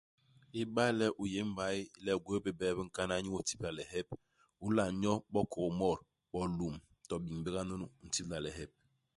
Iba le u yé i mbay, le u gwéé bé bie bi nkana inyu itibla lihep, u nla nyo bo kôkmot, bo lum, to binbe nga nunu, i tibla lihep.